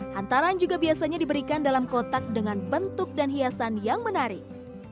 hantaran juga biasanya diberikan dalam kotak dengan bentuk dan hiasan yang menarik